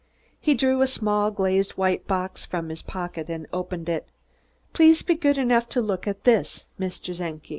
He drew a small, glazed white box from his pocket and opened it. "Please be good enough to look at this, Mr. Czenki."